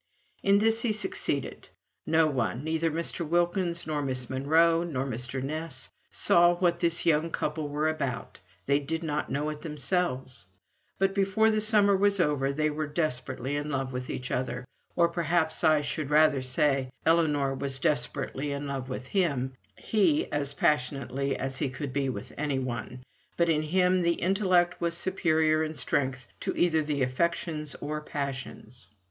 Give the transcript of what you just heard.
In this he succeeded. No one, neither Mr. Wilkins, nor Miss Monro, nor Mr. Ness, saw what this young couple were about they did not know it themselves; but before the summer was over they were desperately in love with each other, or perhaps I should rather say, Ellinor was desperately in love with him he, as passionately as he could be with anyone; but in him the intellect was superior in strength to either affections or passions.